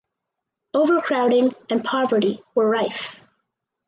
Overcrowding and poverty were rife.